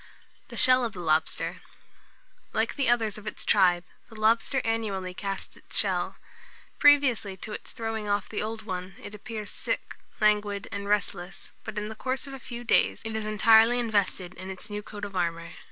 THE SHELL OF THE LOBSTER. Like the others of its tribe, the lobster annually casts its shell. Previously to its throwing off the old one, it appears sick, languid, and restless, but in the course of a few days it is entirely invested in its new coat of armour.